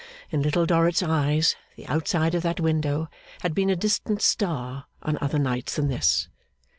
In Little Dorrit's eyes, the outside of that window had been a distant star on other nights than this.